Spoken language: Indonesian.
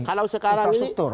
kalau sekarang ini